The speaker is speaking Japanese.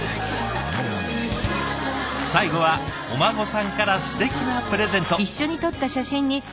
最後はお孫さんからすてきなプレゼント。